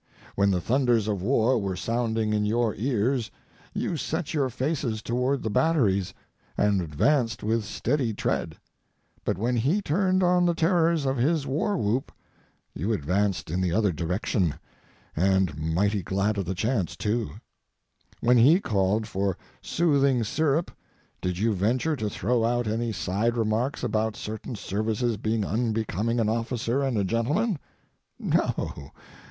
When the thunders of war were sounding in your ears you set your faces toward the batteries, and advanced with steady tread; but when he turned on the terrors of his war whoop you advanced in the other direction, and mighty glad of the chance, too. When he called for soothing syrup, did you venture to throw out any side remarks about certain services being unbecoming an officer and a gentleman? No.